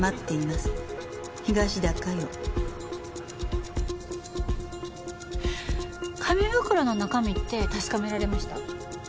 東田加代」紙袋の中身って確かめられました？